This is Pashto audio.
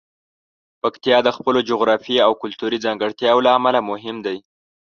پکتیا د خپلو جغرافیايي او کلتوري ځانګړتیاوو له امله مهم دی.